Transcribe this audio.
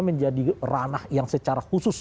menjadi ranah yang secara khusus